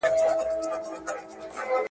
له هر چا یې پټه کړې مدعا وه .